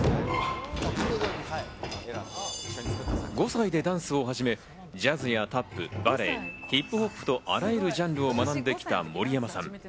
５歳でダンスを始め、ジャズやタップ、バレエ、ヒップホップとあらゆるジャンルを学んできた森山さん。